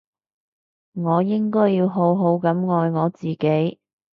我應該要好好噉愛我自己